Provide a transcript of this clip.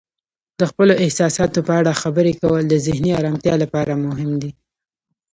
د خپلو احساساتو په اړه خبرې کول د ذهني آرامتیا لپاره مهم دی.